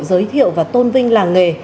giới thiệu và tôn vinh làng nghề